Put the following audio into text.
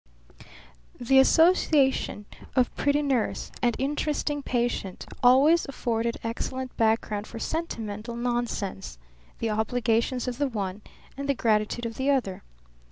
The association of pretty nurse and interesting patient always afforded excellent background for sentimental nonsense, the obligations of the one and the gratitude of the other.